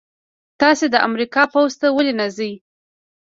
تاسې د امریکا پوځ ته ولې نه ځئ؟